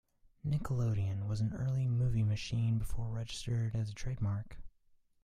"Nickelodeon" was an early movie machine before registered as a trademark.